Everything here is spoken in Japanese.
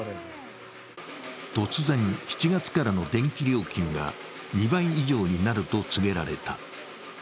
突然、７月からの電気料金が２倍以上になると告げられた。